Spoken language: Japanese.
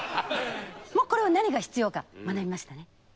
もうこれは何が必要か学びましたね。